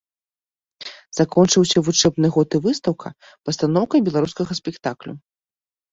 Закончыўся вучэбны год і выстаўка пастаноўкай беларускага спектаклю.